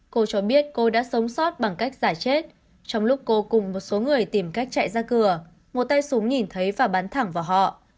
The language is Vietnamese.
cô cho biết cô đã sống sót bằng cách giải chết trong lúc cô cùng một số người tìm cách chạy ra cửa một tay súng nhìn thấy và bắn thẳng vào họ